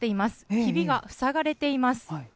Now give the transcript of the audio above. ひびが塞がれています。